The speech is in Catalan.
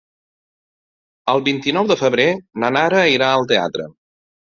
El vint-i-nou de febrer na Nara irà al teatre.